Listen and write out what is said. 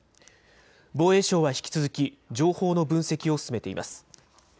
防衛省は引き続き情報の分析を進めています。